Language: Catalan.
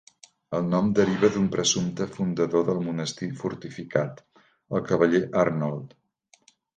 El nom deriva d'un presumpte fundador del monestir fortificat, el cavaller Arnold.